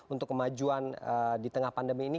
untuk kemajuan di tengah pandemi ini